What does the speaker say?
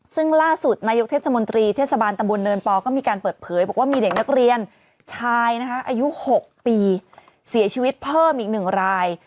ซึ่งล่าสุดนายกเทศมนตรีเทศบาลตำบลเนินปอก็มีการเปิดเผยบอกว่ามีเด็กนักเรียนชายนะคะอายุ๖ปีเสียชีวิตเพิ่มอีก๑ราย